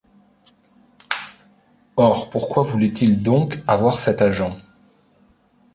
Or, pourquoi voulait-il donc avoir cet agent